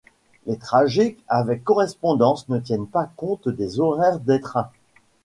Les trajets avec correspondances ne tiennent pas compte des horaires des trains.